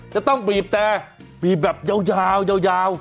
จะต้องปีบแต่ปีบแบบยาว